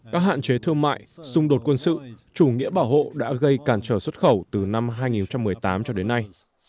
các hạn chế thương mại xung đột quân sự chủ nghĩa bảo hộ đã gây cản trở xuất khẩu từ năm hai nghìn một mươi tám cho đến nay